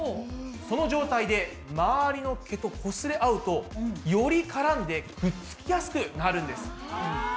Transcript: その状態で周りの毛とこすれ合うとより絡んでくっつきやすくなるんです。